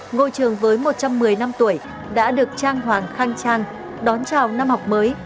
ngôi trường với một trăm một mươi năm tuổi đã được trang hoàng khang trang đón chào năm học mới